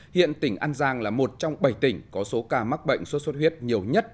hiện tỉnh an giang là một trong bảy tỉnh có số ca mắc bệnh suốt suốt huyết nhiều nhất